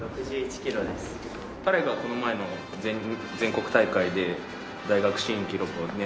彼がこの前の全国大会で大学新記録を狙って。